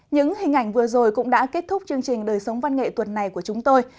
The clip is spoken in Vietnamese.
những hình ảnh vừa rồi cũng đã kết thúc chương trình đời sống văn nghệ tuần này của chúng tôi